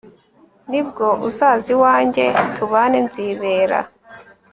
nibwo uzaza iwanjye tubane, nzibera